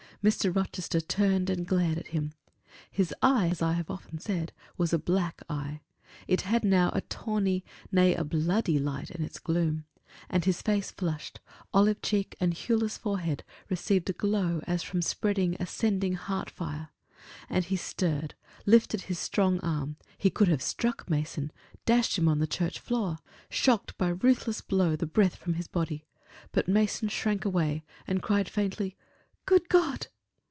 Mr. Rochester turned and glared at him. His eye, as I have often said, was a black eye it had now a tawny, nay, a bloody light in its gloom; and his face flushed olive cheek and hueless forehead received a glow, as from spreading, ascending heart fire; and he stirred, lifted his strong arm; he could have struck Mason dashed him on the church floor shocked by ruthless blow the breath from his body; but Mason shrank away, and cried faintly, "Good God!"